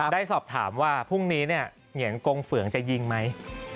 ได้สอบถามว่าพรุ่งนี้เนี่ยเหงียนกงเฝืองจะยิงไหม